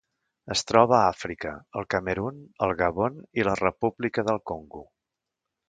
Es troba a Àfrica: el Camerun, el Gabon i la República del Congo.